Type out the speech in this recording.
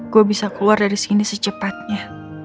gue bisa keluar dari sini secepatnya